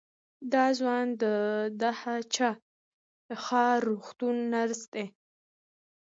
دا ځوان د هه چه ښار روغتون نرس دی.